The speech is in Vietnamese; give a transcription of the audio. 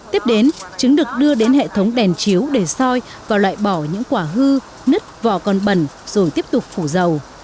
tiếp đến trứng được đưa đến hệ thống đèn chiếu để soi và loại bỏ những quả hư nứt vỏ còn bẩn rồi tiếp tục phủ dầu